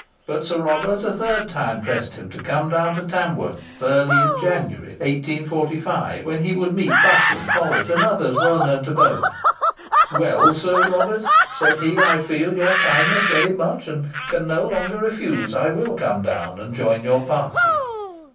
But Sir Robert a third time pressed him to come down to Tamworth early in January, 1845, when he would meet Buckland, Follett, and others well known to both. "Well, Sir Robert," said he, "I feel your kindness very much, and can no longer refuse: I will come down and join your party."